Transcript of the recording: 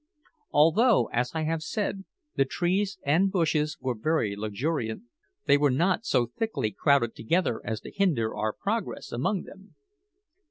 Although, as I have said, the trees and bushes were very luxuriant, they were not so thickly crowded together as to hinder our progress among them.